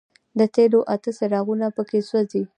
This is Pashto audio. د تېلو اته څراغونه په کې سوځي.